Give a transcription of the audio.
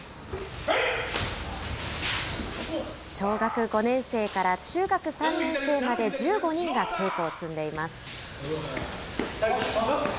小学５年生から中学３年生まで、１５人が稽古を積んでいます。